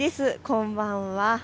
こんばんは。